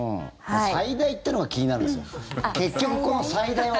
最大ってのが気になるんですよ。